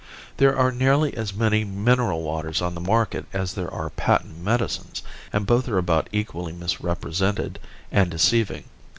There are nearly as many mineral waters on the market as there are patent medicines, and both are about equally misrepresented and deceiving.